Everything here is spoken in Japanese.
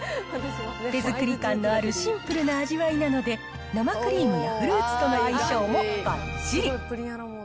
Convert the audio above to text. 手作り感のあるシンプルな味わいなので、生クリームやフルーツとの相性もばっちり。